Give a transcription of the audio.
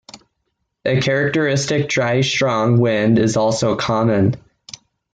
A characteristic dry strong wind is also common.